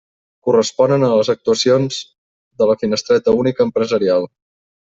Corresponen a les actuacions de la Finestreta Única Empresarial.